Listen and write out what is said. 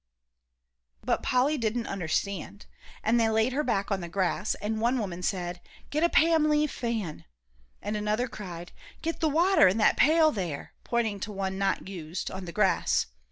But Polly didn't understand, and they laid her back on the grass, and one woman said, "Get a pamleaf fan," and another cried, "Get th' water in that pail there," pointing to one not used, on the grass.